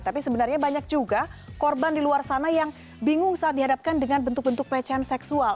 tapi sebenarnya banyak juga korban di luar sana yang bingung saat dihadapkan dengan bentuk bentuk pelecehan seksual